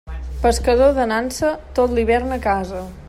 Pescador de nansa, tot l'hivern a casa.